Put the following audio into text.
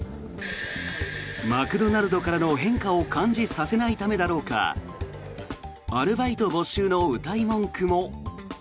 マクドナルドからの変化を感じさせないためだろうかアルバイト募集のうたい文句も。